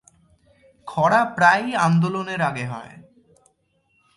খরা প্রায়ই আন্দোলনের আগে হয়।